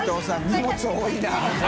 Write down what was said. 荷物多いな